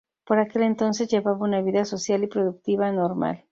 Por aquel entonces llevaba una vida social y productiva normal.